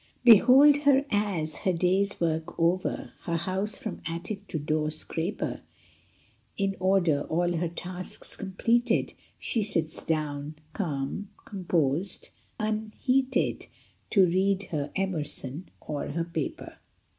Behold her as, her day s work over, Her house from attic to door scraper In order, all her tasks completed, She sits down, calm, composed, unheated, To read her Emerson or her paper.